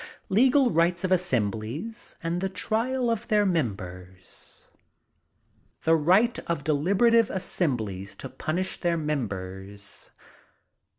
Legal Rights of Assemblies and the Trial of their Members. The Right of Deliberative Assemblies to Punish their Members.